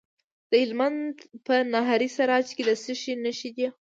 د هلمند په ناهري سراج کې د څه شي نښې دي؟